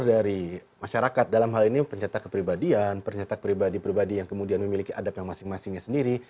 dari masyarakat dalam hal ini pencetak kepribadian pencetak pribadi pribadi yang kemudian memiliki adabnya masing masingnya sendiri